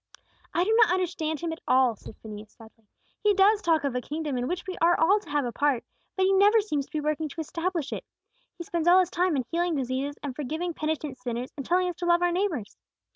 "I do not understand Him at all!" said Phineas, sadly. "He does talk of a kingdom in which we are all to have a part; but He never seems to be working to establish it. He spends all His time in healing diseases and forgiving penitent sinners, and telling us to love our neighbors.